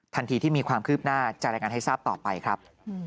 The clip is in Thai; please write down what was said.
ทันทีที่มีความคืบหน้าจะรายงานให้ทราบต่อไปครับ